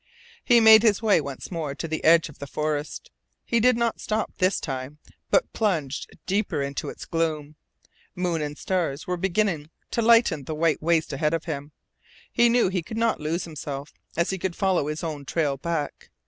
He made his way once more to the edge of the forest. He did not stop this time, but plunged deeper into its gloom. Moon and stars were beginning to lighten the white waste ahead of him. He knew he could not lose himself, as he could follow his own trail back.